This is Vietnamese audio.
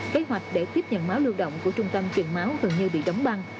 kế hoạch để tiếp nhận máu lưu động của trung tâm truyền máu gần như bị đóng băng